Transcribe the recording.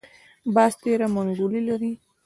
باز تېره منګولې لري